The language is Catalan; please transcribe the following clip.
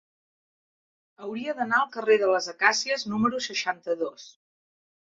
Hauria d'anar al carrer de les Acàcies número seixanta-dos.